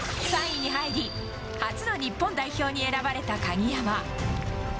３位に入り初の日本代表に選ばれた鍵山。